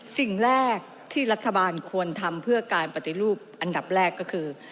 สิ่งแรกที่รัฐบาลควรทำเพื่อการปฏิรูปอันดับแรกก็คือ